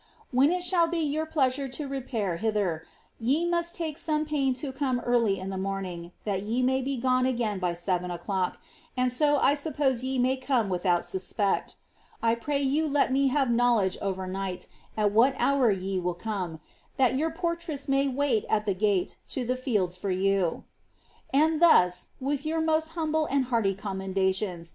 *^ When it shall be your pleasure to repair hither, ye must take soma pain ^ come early in the morning, that ye may be gone again by seven o'clock ; aiul n I suppose ye may come without suspect, I pray you let me have knowiedcf over night at what hour ye will come, that your portress may wait at llie gate's) the fiekis for you. And thus, with my most humble and hearty cominendatiooi.